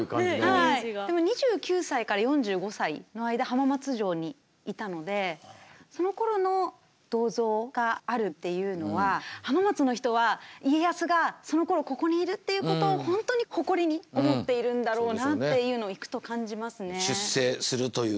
でも２９歳から４５歳の間浜松城にいたのでそのころの銅像があるっていうのは浜松の人は家康がそのころここにいるっていうことを本当に誇りに思っているんだろうなっていうのを行くと感じますね。